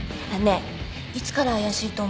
いつから怪しいと思ったの？